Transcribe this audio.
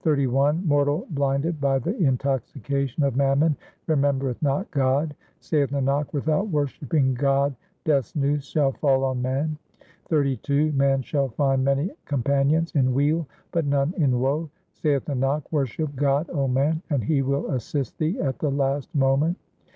XXXI Mortal blinded by the intoxication of mammon remem bereth not God ; Saith Nanak, without worshipping God Death's noose shall fall on man. XXXII Man shall find many companions in weal, but none in woe ; Saith Nanak, worship God, 0 man, and He will assist thee at the last moment.